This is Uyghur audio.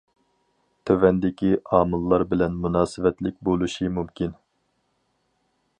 تۆۋەندىكى ئامىللار بىلەن مۇناسىۋەتلىك بولۇشى مۇمكىن.